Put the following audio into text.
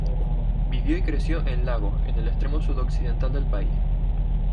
Vivió y creció en Lagos en el extremo sud-occidental del país.